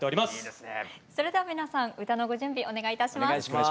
それでは皆さん歌のご準備お願いいたします。